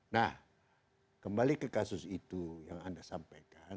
nah kembali ke kasus itu yang anda sampaikan